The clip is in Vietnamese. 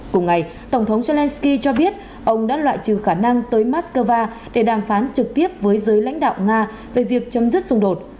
cùng ngày tổng thống zelensky cho biết ông đã loại trừ khả năng tới moscow để đàm phán trực tiếp với giới lãnh đạo nga về việc chấm dứt xung đột